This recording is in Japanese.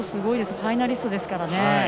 ファイナリストですからね。